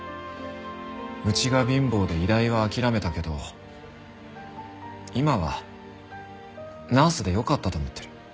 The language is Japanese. うちが貧乏で医大は諦めたけど今はナースでよかったと思ってる。